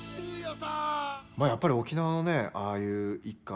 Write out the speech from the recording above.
まあ、やっぱり沖縄のねああいう一家